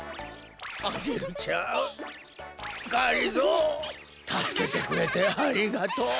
アゲルちゃんがりぞーたすけてくれてありがとう！